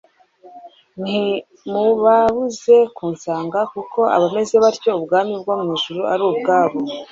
ntimubabuze kunsanga; kuko abameze batyo ubwami bwo mu ijuru ari ubwabo."